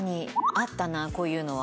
あったなこういうのは。